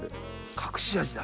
隠し味だ。